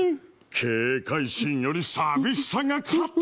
警戒心より寂しさが勝った！